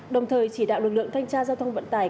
đồng thời chỉ đạo lực lượng thanh tra giao thông vận tải